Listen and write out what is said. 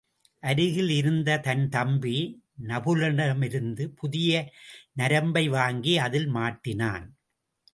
அருகில் இருந்த தன் தம்பி நபுலனிடமிருந்து புதிய நரம்பைவாங்கி அதில் மாட்டினான்.